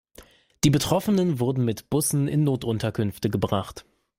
Die Betroffenen wurden mit Bussen in Notunterkünfte gebracht.